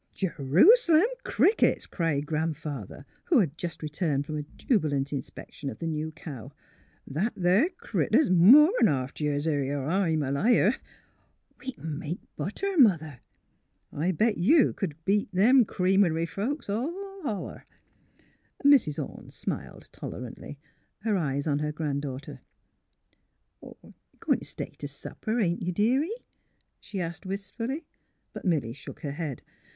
'' J 'rus 'lem crickets !'' cried Grandfather, who had just returned from a jubilant inspection of the new cow. '' That there critter 's more 'n half Jersey, er I'm a liar! We c'n make butter. Mother. I bet you c'd beat them creamery folks all holler." Mrs. Ome smiled, tolerantly, her eyes on her grand daughter. " Goin' t' stay t' supper, ain't you, deary? '* she asked, wistfully. But Milly shook her head.